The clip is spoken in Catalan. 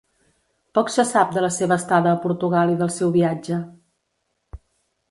Poc se sap de la seva estada a Portugal i del seu viatge.